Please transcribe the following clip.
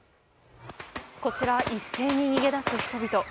こちらは一斉に逃げ出す人々。